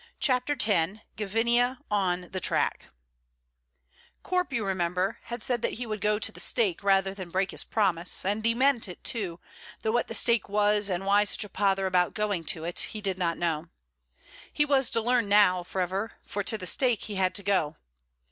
CHAPTER X GAVINIA ON THE TRACK Corp, you remember, had said that he would go to the stake rather than break his promise; and he meant it, too, though what the stake was, and why such a pother about going to it, he did not know. He was to learn now, however, for to the stake he had to go.